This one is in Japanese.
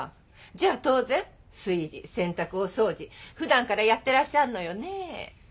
じゃあ当然炊事洗濯お掃除普段からやってらっしゃるのよね？